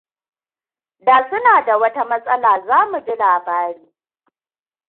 Da suna da wata matsala, za mu ji labari.